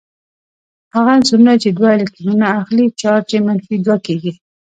هغه عنصرونه چې دوه الکترونونه اخلې چارج یې منفي دوه کیږي.